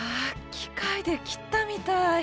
機械で切ったみたい！